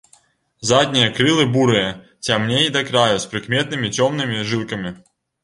Заднія крылы бурыя, цямней да краю, з прыкметнымі цёмнымі жылкамі.